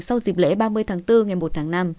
sau dịp lễ ba mươi tháng bốn ngày một tháng năm